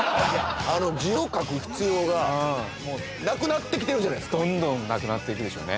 字を書く必要がなくなってきてるじゃないですかどんどんなくなっていくでしょうね